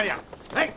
はい。